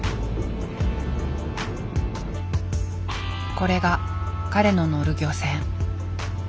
これが彼の乗る漁船。